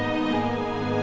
aku mau makan